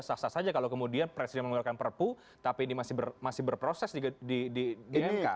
saksa saja kalau kemudian presiden menggunakan perpu tapi ini masih berproses di mk